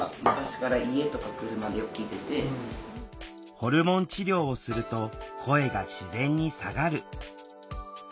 ホルモン治療をすると声が自然に下がる。